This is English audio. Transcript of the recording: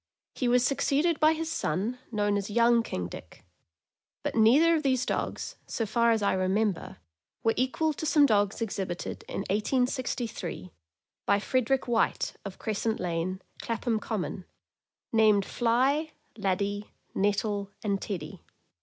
He was succeeded by his son, known as Young King Dick; but neither of these dogs, so far as I remember, were equal to some dogs exhibited in 1863, by Frederick White, of Crescent Lane, Clapham Common, named Fly, Laddie, Nettle, and Teddy.